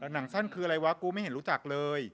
หนังสั้นคืออะไรวะกูไม่เห็นรู้จักเลย